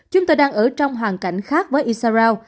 chúng tôi đang ở trong hoàn cảnh khác với isarao